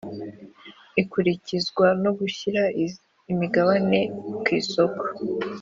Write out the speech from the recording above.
ikurikizwa no gushyira imigabane ku isoko